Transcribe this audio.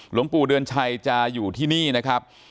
หลวงปู่เดือนชัยจะอยู่ที่นี่นะครับ